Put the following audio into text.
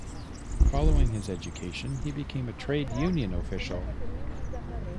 Following his education he became a trade union official.